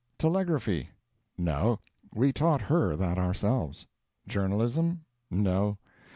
Telegraphy? No, we taught her that ourselves. Journalism? No.